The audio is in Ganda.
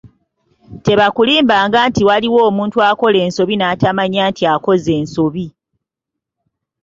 Tebakulimbanga nti waliwo omuntu akola ensobi n’atamanya nti akoze nsobi.